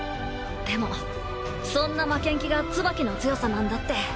でもそんな負けん気がツバキの強さなんだって